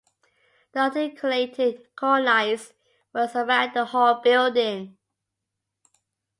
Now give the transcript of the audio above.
The articulated cornice runs around the whole building.